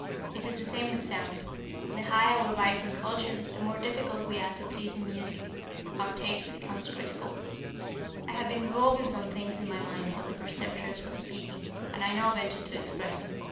It is the same with sound. The higher we rise in culture, the more difficult we are to please in music. Our taste becomes critical." I had been revolving some things in my mind while the Preceptress was speaking, and I now ventured to express them.